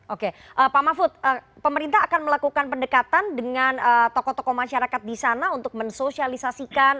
oke pak mahfud pemerintah akan melakukan pendekatan dengan tokoh tokoh masyarakat di sana untuk mensosialisasikan